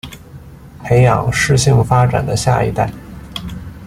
培养适性发展的下一代